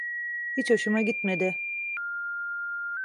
Hiç hoşuma gitmedi.